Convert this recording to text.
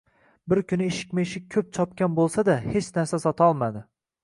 Bir kuni eshikma-eshik koʻp chopgan boʻlsa-da, hech narsa sotolmadi